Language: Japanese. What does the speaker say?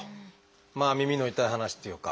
まあ耳の痛い話っていうか。